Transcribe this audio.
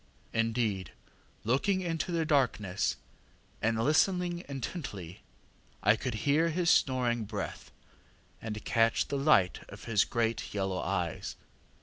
Indeed, on looking into the darkness and listening intently, I could hear his snoring breath, and catch the light of his great yellow eyes.